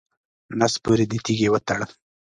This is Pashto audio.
نس پورې دې تیږې وتړه.